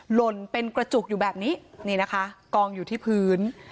หล่นเป็นกระจุกอยู่แบบนี้นี่นะคะกองอยู่ที่พื้น